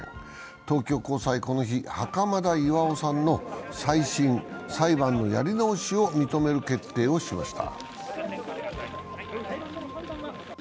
東京高裁、この日、袴田巌さんの再審＝裁判のやり直しを認める決定をしました。